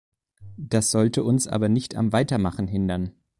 Das sollte uns aber nicht am Weitermachen hindern.